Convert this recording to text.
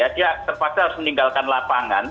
dia terpaksa harus meninggalkan lapangan